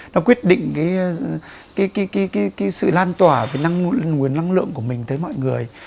nó quyết định cái sự lan tỏa về nguồn năng lượng của mình tới mọi người